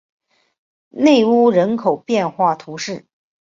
内乌人口变化图示